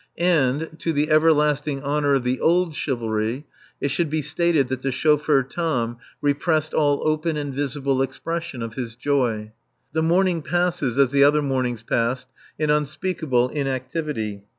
And, to the everlasting honour of the Old Chivalry, it should be stated that the chauffeur Tom repressed all open and visible expression of his joy. The morning passes, as the other mornings passed, in unspeakable inactivity.